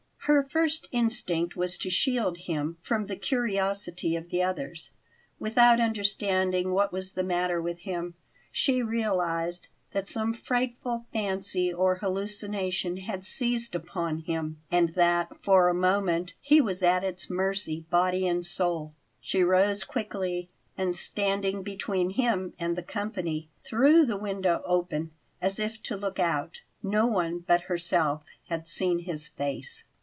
Her first instinct was to shield him from the curiosity of the others. Without understanding what was the matter with him, she realized that some frightful fancy or hallucination had seized upon him, and that, for the moment, he was at its mercy, body and soul. She rose quickly and, standing between him and the company, threw the window open as if to look out. No one but herself had seen his face.